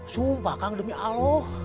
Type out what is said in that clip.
sumpah kang demi allah